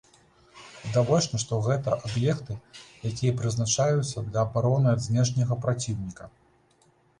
Відавочна, што гэта аб'екты, якія прызначаюцца для абароны ад знешняга праціўніка.